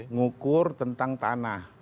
ngukur tentang tanah